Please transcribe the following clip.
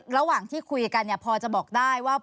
ระหว่างที่คุยกันพอจะบอกได้ว่า